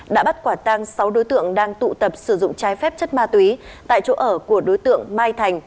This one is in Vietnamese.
đã bắt quả tang sáu đối tượng đang tụ tập sử dụng trái phép chất ma túy tại chỗ ở của đối tượng mai thành